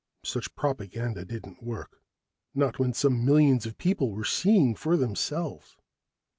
Such propaganda didn't work, not when some millions of people were seeing for themselves.